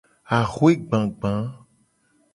Axwe gbagba.